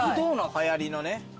はやりのね。